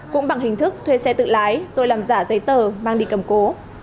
cũng bằng hình thức thuê xe tự lái rồi làm giả giấy tờ mang đi cầm cố